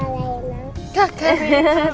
wah kakak rena